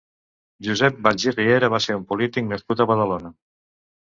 Josep Valls i Riera va ser un polític nascut a Badalona.